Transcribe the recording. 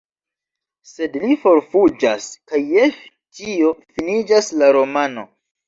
Sed li forfuĝas, kaj je tio finiĝas la romano.